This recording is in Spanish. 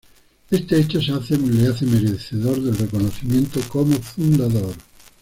Este hecho le hace merecedor del reconocimiento como Fundador.